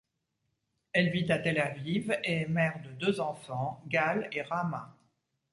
Elle vit à Tel Aviv et est mère de deux enfants, Gal et Rama.